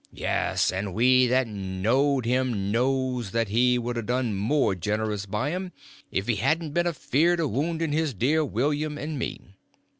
Yes, and we that knowed him knows that he would a done more generous by 'em if he hadn't ben afeard o' woundin' his dear William and me.